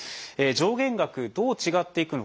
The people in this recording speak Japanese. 上限額どう違っていくのか。